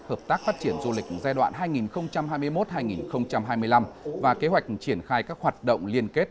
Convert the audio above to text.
hợp tác phát triển du lịch giai đoạn hai nghìn hai mươi một hai nghìn hai mươi năm và kế hoạch triển khai các hoạt động liên kết